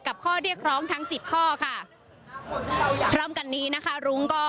ข้อเรียกร้องทั้งสิบข้อค่ะพร้อมกันนี้นะคะรุ้งก็